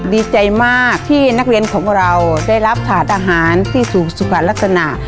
ดีใจมากที่นักเรียนของเราได้รับถาดอาหารที่สู่สุขลักษณะ